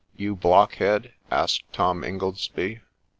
you blockhead !' asked Tom Ingoldsby.